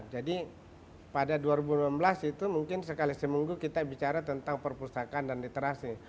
jadi pada dua ribu enam belas itu mungkin sekali seminggu kita bicara tentang perpustakaan dan literasi